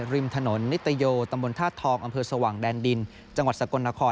ริมถนนนิตโยตำบลธาตุทองอำเภอสว่างแดนดินจังหวัดสกลนคร